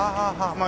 まあ